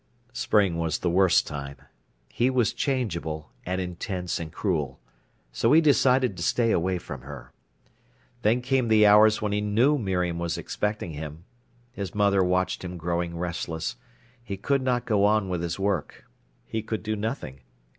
Spring was the worst time. He was changeable, and intense and cruel. So he decided to stay away from her. Then came the hours when he knew Miriam was expecting him. His mother watched him growing restless. He could not go on with his work. He could do nothing.